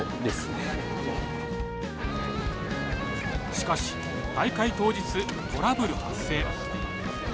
しかし大会当日トラブル発生。